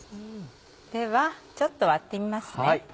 ではちょっと割ってみますね。